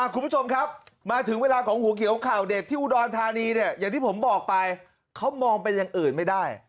คุณผู้ชมครับมาถึงเวลาของหัวเขียวข่าวเด็กที่อุดรธานีเนี่ยอย่างที่ผมบอกไปเขามองเป็นอย่างอื่นไม่ได้